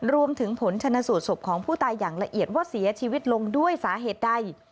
รวมถึงผลชนสูตรศพของผู้ตายอย่างละเอียดว่าเสียชีวิตลงด้วยสาเหตุใด